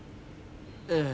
ええ。